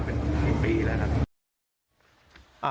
เป็นกี่ปีแล้วครับ